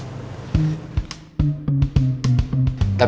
ya udah siap